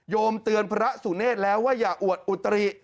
มเตือนพระสุเนธแล้วว่าอย่าอวดอุตริ